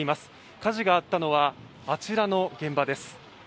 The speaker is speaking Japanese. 火事があったのは、あちらの現場です。